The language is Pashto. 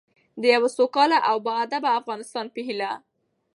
د یوه سوکاله او باادبه افغانستان په هیله.